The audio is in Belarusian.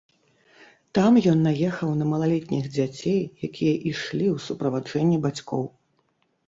Там ён наехаў на малалетніх дзяцей, якія ішлі ў суправаджэнні бацькоў.